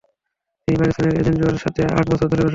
তিনি পাকিস্তানের এজেন্ট জোয়ার সাথে আট বছর ধরে বসবাস করেছে।